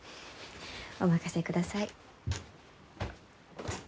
お任せください。